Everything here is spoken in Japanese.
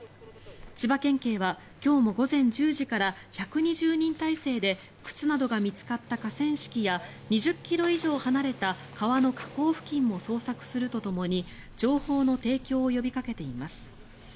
千葉県警は今日も午前１０時から１２０人態勢で靴などが見つかった河川敷や２０ｋｍ以上離れた川の河口付近も捜索するとともに情報の提供を呼びかけています。